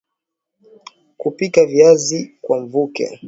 Kupika Viazi kwa mvuke